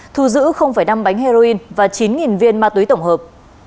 thu giữ năm bánh heroin và chín viên ma túy tổng hợp